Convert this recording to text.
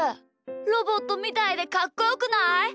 ロボットみたいでかっこよくない？